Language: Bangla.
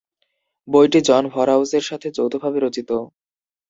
বইটি জন ভরহাউসের সাথে যৌথভাবে রচিত।